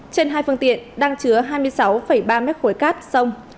trên hai phương tiện đang chứa hai mươi sáu ba m ba cát sông